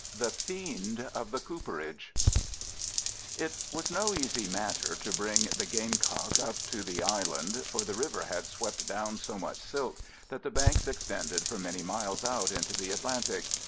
THE FIEND OF THE COOPERAGE It was no easy matter to bring the Gamecock up to the island, for the river had swept down so much silt that the banks extended for many miles out into the Atlantic.